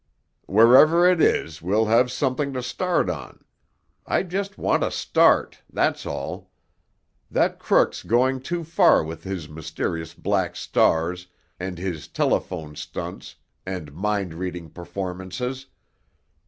"Wherever it is, we'll have something to start on. I just want a start—that's all! That crook's going too far with his mysterious black stars and his telephone stunts and mind reading performances!